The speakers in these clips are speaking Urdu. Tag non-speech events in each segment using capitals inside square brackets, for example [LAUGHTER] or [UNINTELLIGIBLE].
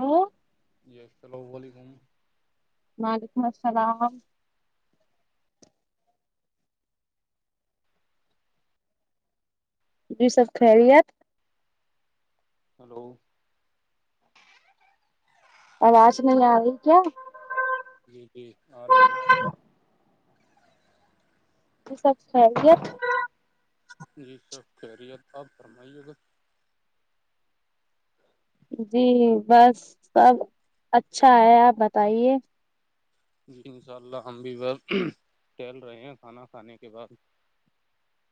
ہوں جی السلام و علیکم وعلیکم السلام جی سب خیری آپ ہلو آواز نہیں آ رہی کیا جی جی آ رہی ہے یہ سب خیریت جی سر خیریت آپ فرمائیے گا جی بس سب اچھا ہے آپ بتائیے جی انشاء اللہ ہم بھی بت ھیل رہے ہیں کھانا کھانے کے بعد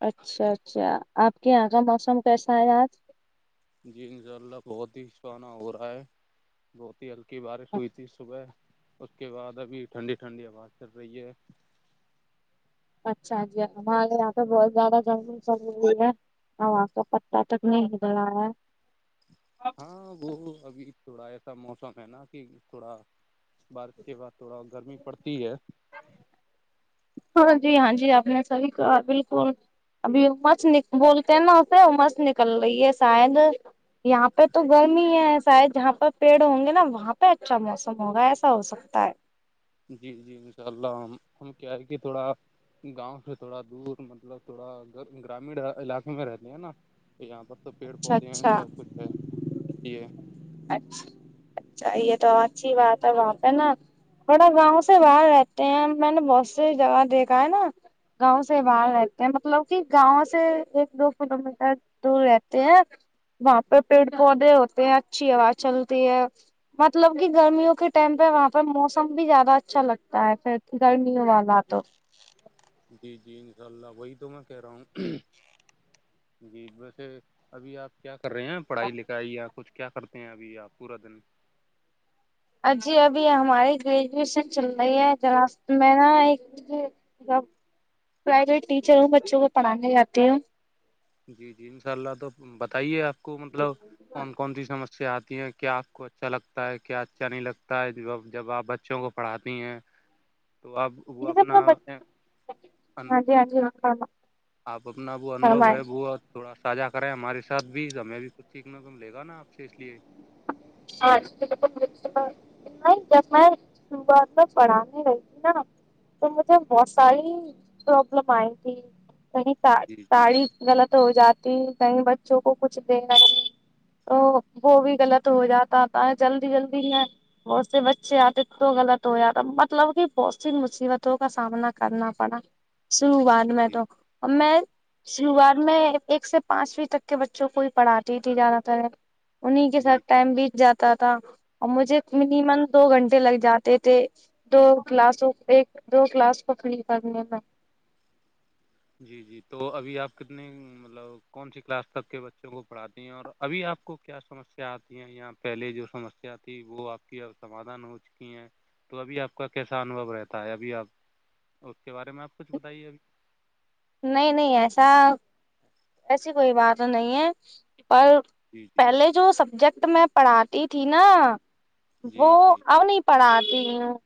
اچھا اچھا آپ کے یہاں کا موسم کیسا ہے آج جی انشاء اللہ بہت ہی خپانہ ہو رہا ہے بہت ہی کی بارش ہوئی تھی صبح اس کے بعد ابھی ٹھنڈی ٹھنڈی آواز چل رہی ہے اچھا جی ہمارے یہاں پہ بہت زیادہ جنگل سب ہوئی ہے ہو تو پٹہ تک نہیں ہل رہ ہے ہاں وہ ابھی تھوڑا ایسا موسم ہے نا کہ تھوڑا بارف کے بعد تھوڑا گرمی پڑتی ہے ہاں جی ہاں جی آ نے سر کار بالکل ابھی مس بولتے ہیں نا اسے مس نکل رہی ہے شاید یہاں پہ تو گرمی ہی ہے شاید جہاں پہ پیڑ ہوں گے نا وہاں پہ اچھا موسم ہوگا ایسا ہو سکتا ہے جی جی انشاء اللہ ہم ہم کیا ہے کہ تھوڑا گاؤں سے تھوڑا دور مطلب تھوڑا گرامڑ علاقے میں رہتے ہیں نا یہاں پر تو پیڑ اچھا پودے ہیں سب اچھا کچھ ہے اھی ہے اچھا اچھا یہ تو اچھی بات ہے وہاں پہ نا تھوڑا گاؤں سے باہر رہتے ہیں میں نے بہت سی جگہ دیکھا ہے نا گاؤں سے باہر رہتے ہیں مطلب کہ گاؤں سے ایک دو کلو میٹر تو رہتے ہیں وہاں پہ پیڑ پودے ہوتے ہیں اچھی ہو چلتی ہے مطلب کہ گرمیوں کے ٹائم پہ وہاں پہ موسم بھی زیادہ اچھا لگتا ہے پھر گرمیوں والا تو جی جی انشاء اللہ وہی تو میں کہہ رہا ہوں جی ویسے ابھی آپ کیا کر رہے ہیں پڑھائی لکھائی یا کچھ کیا کرتے ہیں ابھی آپ پورا دن جی ابھی ہماری گریجویشن چل رہی ہےرا میں نا ایک مب پرائیویٹ ٹیچر ہ بچوں کو پڑھانے جاتی ہ جی جی ان شاء اللہ تو بتائیے آپ کو مطلب کون کون سی سمسیا آتی ہیں کیا آپ کو اچھا لگتا ہے کیا اچھا نہیں لگتا ہے ج جب آپ بچوں کو پڑھاتی ہیں تو اب وہ اپنا ان ج جی ہا آپ اپنا وہ انھو ہے ب تھوڑا ساھا کریں ہمارے ساتھ بھی تو ہمیں بھی کھ سیکھنا توم لے گا نا آپ سے اس لیے ہاں م [UNINTELLIGIBLE] نہیں جب میںعات میں پڑھانے رہی تھی نا تو مجھے بہت پرابلم آئی تھی کہیں جی جی تڑی غلط ہو جاتی کہیں بچوں کو کچھ دینا ہی تو وہ بھی غلط تو ہو جاتاتا ہے جلدی جلدی میں بہت سے بچے آتے تو غلط ہو جاتا مطلب کہ بہت سی مصیبتوں کا سامنا کرنا پڑا شروعات میں جی تو میں شروعات میں ایک سے پانچویں تک کے بچوں کو ہی پڑھاتی تھی زیادہ تر انیں کے جی ساتھ جی ٹائم بیت جاتا تھا اور مجھے منیمم دو گھنٹے لگ جاتے تھے دو گلاسوں ایک دو گلاس کو فری کرنے میں جی جی تو ابھی آپ کتنے مطلب کون سی کلاس تک کے بچوں کو پڑھاتی ہیں اور ابھی آپ کو کیا سمسیا آتی ہیں یہاں پہلے جو سمسیا تھی وہ آپ کی ا سمادھان ہو چکی ہیں تو ابھی آپ کا کیسا انوبھو رہتا ہے ابھی آپ اس کے بارے میں آپ کچھ بتائیے ابھی نہیں نہیں ایسا ایسی کوئی بات نہیں ہے پر جی جی پہلے جو سبجیکٹ میں پڑھاتی تھی نا وہ جی جی ا نہیں پڑھاتی ہوں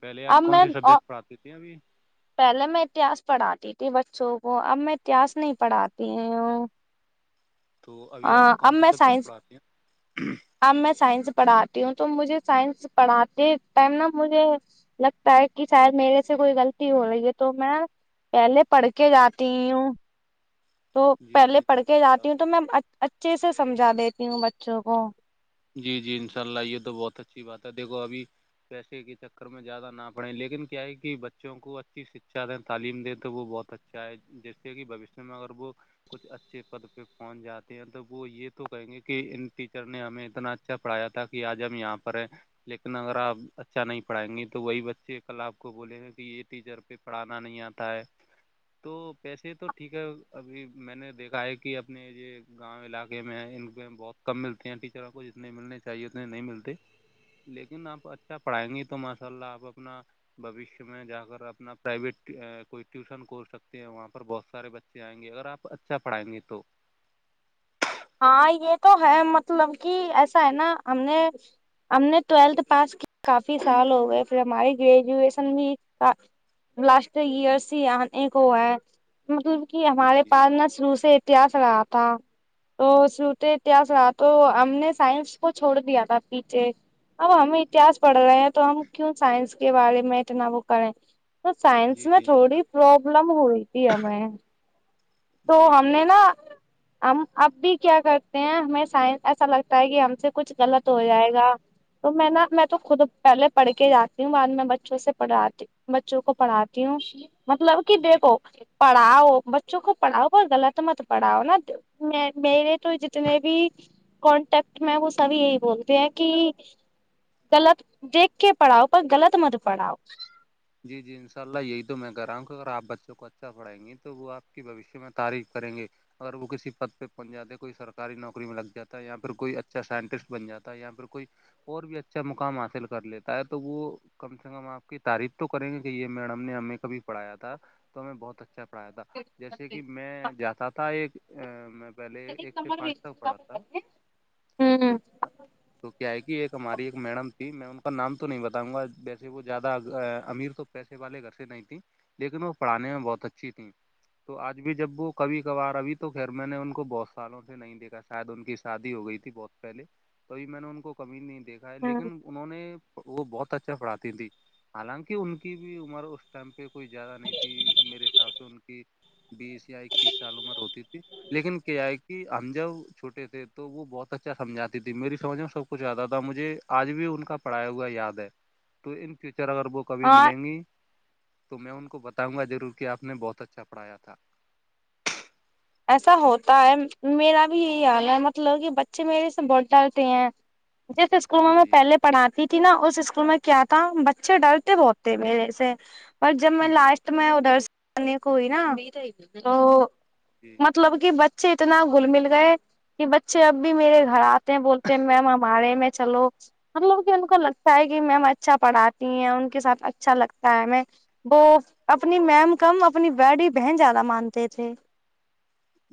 پہل آپ اب کون میں سبجیکٹ پڑاتے تھے ابھی پہلے میں اتاس پڑھاتی تھی بچوں کو اب میں اتہس نہیں پڑھاتی ہوں تو ابھی آپ اب کون سی میں سبجیکٹ سائنس پڑھاتے ہیں اب میں سائنس پڑھاتی ہوں تو مجھے سائنس پڑھاتے ٹائم نا مجھے لگتا ہے کہ شاید میرے سے کوئی غلطی ہو رہی ہے تو میں پہلے پڑھ کے جاتی ہوں تو ہیں پہلے جی پڑھ کے جی جاتی ہوں تو میں اچھے سے سمجھا دیتی ہوں بچوں کو جی جی انشاء اللہ یہ تو بہت اچھی بات ہے دیکھو ابھی پیسے کے چکر میں زیادہ نہ پڑیں لیکن کیا ہے کہ بچوں کو اچھی شکچھا دیں تعلیم دیں تو وہ بہت بچہ ہے جیسے کہ بھ ئیشیہ میں اگر وہ کچھ اچھے پد پہ پہنچ جاے ہیں تو وہ یہ تو کہیں گے کہ ان ٹیچر نے ہمیں اتنا اچھا پڑھایا تھا کہ آج ہم یہاں پر ہے لیکن اگر آپ اچھا نہیں پڑھائیں گے تو وہی بچے کل آپ کو بولیں گ کہ یہ ٹیچر پہ پڑانا نہیں آتا ہے تو پیسے تو ٹھیک ہے ابھی میں نے دیکھا ہے کہ اپنے یہ گاؤں علاقے میں ہیں ان بہت کم ملتے ہیں ٹیچروں کو جتنے ملنے چاہیے اتنے نہیں ملتے لیکن آپ اچھا پڑھائیں گے تو ماشاء اللہ آپ اپنا بوشیہ میں جا کر اپنا پرائیویٹ کوئی ٹیوشن ک سکتے ہیں وہاں پر بہت سارے بچے ا سے آئیں گے اگر آپ اچھا پڑھائیں گے تو ہاں یہ تو ہے مطلب کہ ایسا ہے نا ہم نے ہم نے ٹویلتھ پاس کی کافی سال ہو گئے پھر ہماری گریجویشن بھی لاسٹ ایئرس ہی آنے کو ہے مطلب کہ جی ہمارے جی پاس نہ شروع سے اتیاس رہا تھا تو سوتے اتہس رہا تو ہم نے سائنس کو چھوڑ دیا تھا پیچھے اب ہم اتہاس پڑھ رہے ہیں تو ہم کیوں سائنس کے بارے میں اتنا وہ کریں تو سائنس جی میں جی تھوڑی پروابلم ہو رہی تھی ہمیں تو جی ہم نے جی نا ہم اب بھی کیا کرتے ہیں ہمیں سائ ایسا لگتا ہے کہ ہم سے کچھ غلط ہو جائے گا تو میں نا میں تو خود پہلے پڑھ کے جاتی ہوں بعد میں بچوں سے پڑھاتی ہوں بچوں کو پڑھاتی ہوں مطلب کہ جی دیکھو پڑھاؤ بچوں کو پڑھاؤ اور غلط مت پڑھاؤ نا میرے تو جتنے بھی کانٹیکٹ میں وہ سبھی یہی بولتے ہیں کہ غلط دیکھ کے پڑھاؤ پر غلط مت پڑھاؤ جی جی ان شاء اللہ یہی تو میں کہہ رہا ہوں کہ اگر آپ بچوں کو اچھا پڑھائیں گی تو وہ آپ کے بھشیہ میں تعریف کریں گے اگر وہ کسی پد پہ پہنچ جاتے ہیں کوئی سرکاری نوکری میں لگ جاتا ہے یا پھر کوئی اچھا سائنٹسٹ بن جا ہے یا پھر کوئی اور بھی اچھا مقام حاصل کر لیتا ہے تو وہ کم سے کم آپ کی تعریف تو کریں گے کہ یہ میڈم نے ہمیں کبھی پڑایا تھا تو ہمیں بہت اچھا پڑایا تھا جیسے کہ میں جاتا تھا ایک پہلے ایک سے پانچ تک پڑا تھا ہوں تو تو کیا ہے کہ ایک ہماری ایک میڈم تھی میں ان کا نام تو نہیں بتاؤں گا ویسے وہ زیادہ امیر تو پیسے والے گھر سے نہیں تیں لیکن وہ پڑھانے میں بہت اچھی تھیں تو آج بھی جب وہ کبھی کبھار ابھی تو خیر میں نے ان کو بہت سالوں سےے نہیں دیکھا شاید ان کی شادی ہو گئی تھی بہت پہلے توبھی میں نے ان کو کمی نہیں دیکھا ہے ہوں لیکن انہوں نے وہ بہت اچھا پڑاتی تیں حالانکہ کہ ان کی بھی عمر اس ٹائم پہ کوئی زیادہ نہیں تھی میرے حساب سے ان کی بیس یا اکیس سال عمر ہوتی تھی لیکن کیا ہے کہ ہم جب چھوٹے تھے تو وہ بہت اچھا سمجھاتی تھی میری سمجھ میں سب کو پچاتا تھا مجھے آج بھی ان کا پڑھایا ہوا یاد ہے تو ان فیوچر اگر وہ کبھی ہاں ملیں گی تو میں ان کو بتاؤں گا ضرور کہ آپ نے بہت اچھا پڑھایا تھا ایسا ہوتا ہے میرا بھی یہی حال ہے مطلب کہ بچے میرے سے بوٹ ڈالتے ہیں جیس اسکولوں میں جی پہلے پڑھاتی تھی نا اس اسکول میں کیا تھا بچے ڈرتے بہت تھے میرے سے پر جب میں جی لاسٹ میں ادھرنے کو ہوئی نا تو جی مطلب کہ بچے اتنا گل مل گئے کہ بچے اب بھی میرے گھر آتے ہیں بولتے ہیں میم ہمارے میں چلو مطلب کہ ان کو لگتا ہے کہ میم اچھا پڑھاتی ہیں ان کے ساتھ اچھا لگتا ہے میں وہ اپنی میم کم اپنی بیڈی بہن زیادہ مانتے تھے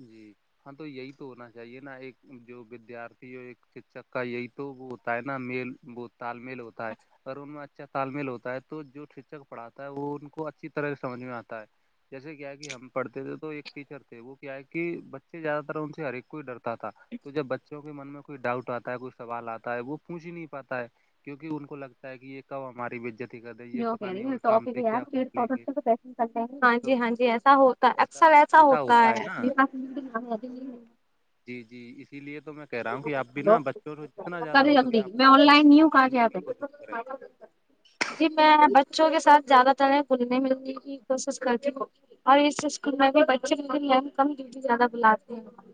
جی ہاں تو یہی تو ہونا چاہیے نا ایک جو ودیارتھی ایک شکک کا یہی تو وہ ہے نا میل وہ تال میل ہوتا ہے اگر ان میں اچھا تالمیل ہوتا ہے تو جو شکچک پڑھاتا ہے وہ ان کو اچھی طرح سے سمجھ میں آتا ہے جیسے کیا کہ ہم پڑھتے تھے تو ایک ٹیچر تھے وہ کہ بچے زیادہ تر ان سے ہر ایک کو ہی ڈرتا تھا تو جب بچوں کو من میں کوئی ڈاؤٹ آتا ہے کوئی سوال آتا ہے وہ پوچھ ہی نہیں پاتا ہے کیونکہ ان کو لگتا ہے کہ یہ کب ہماری بجت جو کہی ہ لیں گے ج تو ہاں ایسا ہو ایسا اثر ایسا ہوتا ہے نا جی جی اسی لیے تو میں کہہ رہا ہوں کہ آپ بھی نا بچوں کو جتنا زیادہ ہو جل سکے آپ میں آن لائن نہیں گھل ملنے کی کوشش کریں ہ جی میں بچوں کے ساتھ زیادہ تر بھلنے ملنے کی کوشش کرتی ہوں اور اس اسکول میں بھی بچے لن ل کم ڈیوٹی زیادہ بلاتے ہیں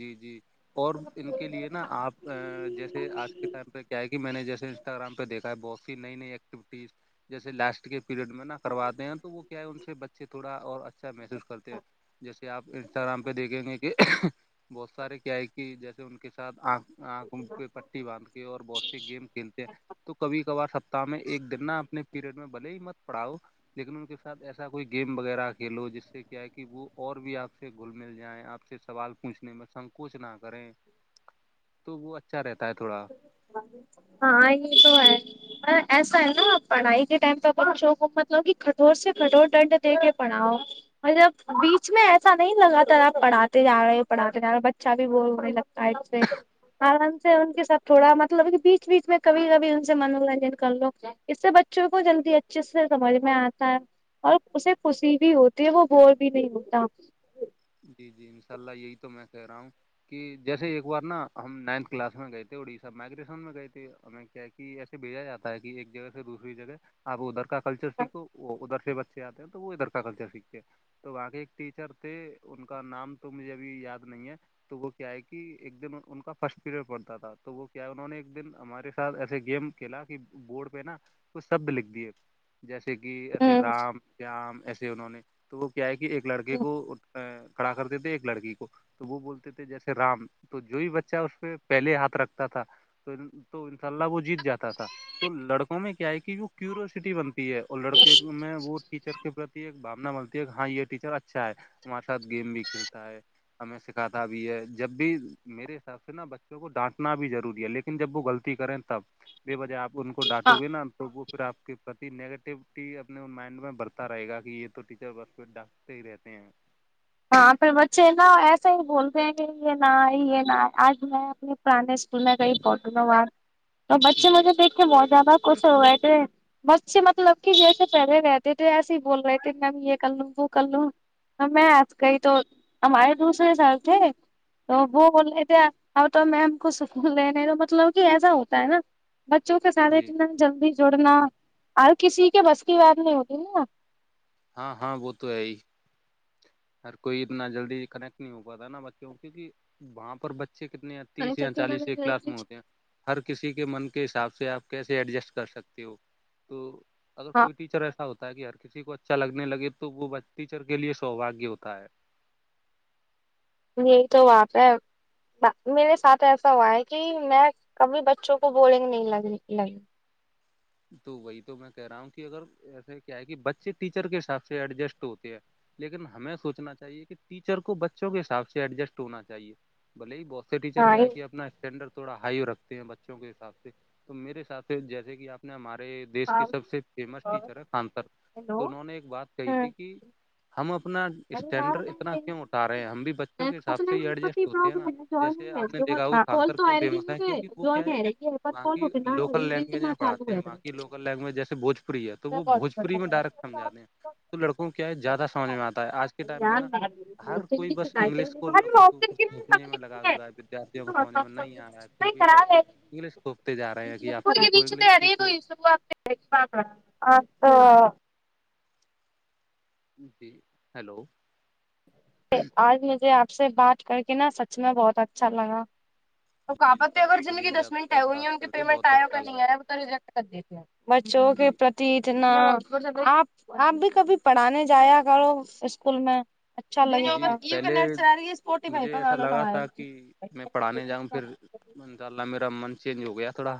جی جی اور ان کے لیے نا آپ جیسے آج کے ٹائم پہ کیا ہے کہ میں نے جیسے انسٹاگرام پہ دیکھا ہے باکس نئی نئی ایکٹیوٹیز جیسے لاسٹ کے پیریڈ میں نا کرواتے ہیں تو وہ کیا ہے ان سے بچے سے تھوڑا اور اچھا محسوس کرتے ہیں جیسے آپ انسٹاگرام پہ دیکھیں گے کہ بہت سارے کیا ہے کہ جیسے ان کے ساتھ آنکھ آنکھوں پہ پٹی باندھ کے اور بہت سے گیم کھیلتے ہیں تو کبھی کبھار سپتتااہ میں ایک دن نہا اپنے پیریڈ میں بلے ہی مت پڑھاؤ لیکن ان کے ساتھ ایسا کوئی گیم وغیرہ کھیلو جس سے کیا ہے کہ وہ اور بھی آپ سے گھل مل جائیں آپ سے سوال پوچھنے میں سنکوچ نہ کریں تو وہ اچھا رہتا ہے تھوڑا ہاں یہ تو ہے ایسا ہے نا پڑھائی کے ٹائم پہ ا شوک متل کہ کٹھور سے کٹھور دنڈ دے کے پڑھاؤ مطلب بیچ میں ایسا نہیں لگا تھا آپ پڑھاتے ج رہے ہو پڑھاتے جا رہے ہو بچہ بھی وہ ہو نہیں لگتا اچے آرام سے ان کے سب تھوڑا مطلب بیچ بیچ میں کبھی کبھی ان سے منورنجن کر لوگ کیا اس سے بچوں کو جلدی اچھے سے سمجھ میں آتا ہے اور اسے خوشی بھی ہوتی ہے وہ بور بھی نہیں ہوتا جی جی انشاء اللہ یہی تو میں کہہ رہا ہوں کہ جیسے ایک بار نا ہم نائنتھ کلاس میں گئے تھے اڑیسہ مائگریسن میں گئے تھے ہمیں کیا کہ ایسے بھیجا جاتا ہے کہ ایک جگہ سے دوسری جگہ آپ ادھر کا کلچر سیکھو وہ ادھرر سے بچے آتے ہیں تو وہ ادھر کا کلچر سیکھتے تو وہاں کے ایک ٹیچر تھے ان کا نام تو مجھے ابھی یاد نہیں ہے تو وہ کیا ہے کہ ایک دن ان کا فرسٹ پیریڈ پڑتا تھا تو وہ کیا ہے انہوں نے ایک دن ہمارے ساتھ ایسے گیم کلا کہ بوڑ پہ نا تو شبد لکھ دیے جیسے کہ ایسے رام شیام ایسے انہوں نے تو وہ کیا ہے کہ ایک لڑکے کو کڑا کر دیتے ایک لڑکی کو تو وہ بولتے تھے جیسے رام تو جو بھی بچہ اس پہ پہلے ہاتھ رکھتا تھا تو تو انشاء اللہ وہ جیت جاتا تھا تو لڑکوں میں کیا ہے کہ جو کیوروسٹی بنتا اور لڑکے میں وہ ٹیچر کے پرتی ایک باونا بنتی ہے کہ ہاں یہ ٹیچر اچھا ہے ہمار ساتھ گیم بھی کھیلتا ہے ہمیں سکھاتا بھی ہے جب بھی میرے حساب سے نا بچوں کو ڈانٹنا بھی ضروری ہے لیکن جب وہ غلطی کریں تب بے بجہ آپ ان کو ہ ڈانٹو گے نا تو وہ پھر آپ کے پرتی نیگیٹوٹی اپنے مائنڈ میں بڑھتا رہے گا کہ یہ تو ٹیچر بس پ ڈاکتے ہی رہتے ہیں ہاں پھر بچے نہ ایسے ہی بولتے ہیں کہ یہ نہ یہ نہ آج میں اپنے پرانے اسکول میں کہئی پٹنوںا تو بچے جی مجھے دیکھ کے موج ب کچھ ہوئے تھے بچے مطلب کہ جیسے پہلے رہتے تھے ایسے ہی بول رہے تھے میںیم یہ کر لوں وہ کر لوں میں آپ کہئی تو ہمارے دوسرے ساحب تھے تو وہ بول رہے تھے اب تو میم کو سکول لنے تو مطلب کہ ایسا ہوتا ہے نا بچوں کے ساتھے جی جلدی جڑنا اورر کسی کے بس کی بات نہیں ہوتی نا نا ہاں ہاں وہ تو ہے ہی ہر کوئی اتنا جلدی کنیکٹ نہیں ہو پاتا نا بچیوں کیونک کہ وہاں پر بچے کتنے تیس یا نا چالیس کے کلاس میں ہوتے ہیں ہر کسی کے من کے حساب سے آپ کیسے ایڈجسٹ کر سکتے ہو تو اگر ہاں کوئی ٹیچر ایسا ہوتا ہے کہ ہر کسی کو اچھا لگنے لگے تو وہ ٹیچر کے لیے سوباگیہ ہوتا ہے یہی تو واپ ہے میرے ساتھ ایسا ہوا ہے کہ میں کبھی بچوں کو بولیں گے نہیں لگ لگی تو وہی تو میں کہہ رہا ہوں کہ اگر ایسے کیا ہے کہ بچے ٹیچر کے حساب سے ایڈجسٹ ہوتے ہیں لیکن ہمیں سوچنا چاہیے کہ ٹیچر کو بچوں کے حساب سے ایڈجسٹ ہونا چاہیے بلے ہی بہتتے ٹیچر ہاں کیا کیا اپنا اسٹینڈرڈ تھوڑا ہائی رکھتے ہیں بچوں کے حساب سے تو میرے ساتھ سے جیسے کہ آپ نے ہمارے دیش کے سب سے فیمس ٹیچر ہے کانتر ہیلو تو انہوں نے ایک بات کہی تھی ارے کہ ہم اپنا یار اسٹینڈرڈ اتنا میں کیوں اٹا رہے ہیں ہم بھی بچوں کے آف حساب سے ہی لائن ایڈجسٹ ہوتے ہیں پرابلم نا ہے جیسے جوائنگ ہے آپ نے جو دیکھا کال سنسر تو کیوں آ رہی فیمس ہے کی کہ وہ کیا جوائن ہے آ رہی پر وہاں کال کی اٹھنا لوکل نہیں لینگویج ملٹنا میں چالو پڑھاتے ہے وہاں کی لوکل لینگویج جیسے بھوپوری ہے تو وہ بھوجپوری میں ڈائریکٹ سمجھاتے ہیں تو لڑکوں کے کیا زیادہ سمجھ میں آتا ہے آج کے ٹائم پہ یار نا ہر کوئی بس شکایتیں انگلش کو لڑکوں کے اوپر سھونکنے میں لگا ہوا ہے ارت کو سوجنے میں نہیں آ رہا ہے پھر بھی بس انگلش کھوپتے جا رہے ہیں کہ آپسی کو انگلش کی سوات تو جی ہیلو آج مجھے آپ سے بات کر کے نا سچ میں بہت اچھا لگا تو کہ جی انشاء آپتے اگر اللہ جن مجھے کی بھی دس آپ منٹ سے ہےئے وہ بات ہیں ا ان کے کر پیمنٹ بہت آئے ہو اچھا کہیا نہیں لگا آئے وہ تو ریجیکٹ کر دیتے بچوں کے جی پر ٹنا آپ آپ بھی کبھی پڑھانے جایا کرو اسکول میں جی اچھا پہلے مجھے ایسا لگا تھا کہ میں پڑھانے جاؤں پھر انسء اللہ میرا من چینج ہو گیا تھوڑا